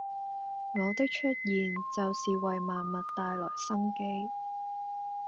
我的出現就是為萬物帶來生機